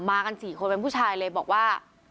กัน๔คนเป็นผู้ชายเลยบอกว่า